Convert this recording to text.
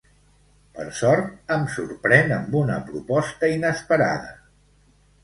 Per sort, em sorprèn amb una proposta inesperada.